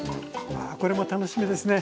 これも楽しみですね。